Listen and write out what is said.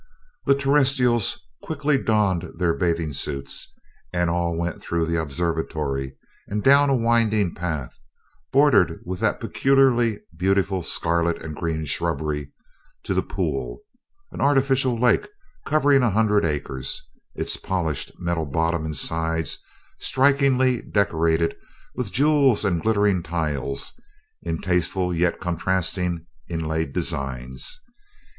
The Terrestrials quickly donned their bathing suits and all went through the observatory and down a winding path, bordered with the peculiarly beautiful scarlet and green shrubbery, to the "pool" an artificial lake covering a hundred acres, its polished metal bottom and sides strikingly decorated with jewels and glittering tiles in tasteful yet contrasting inlaid designs.